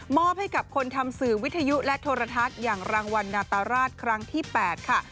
ให้กับคนทำสื่อวิทยุและโทรทัศน์อย่างรางวัลนาตาราชครั้งที่๘ค่ะ